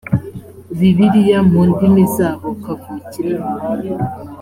bibiliya mu ndimi zabo kavukire